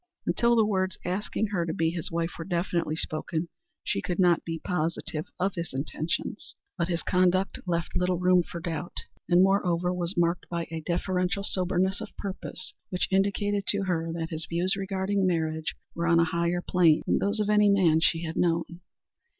Until the words asking her to be his wife were definitely spoken she could not be positive of his intentions, but his conduct left little room for doubt, and moreover, was marked by a deferential soberness of purpose which indicated to her that his views regarding marriage were on a higher plane than those of any man she had known.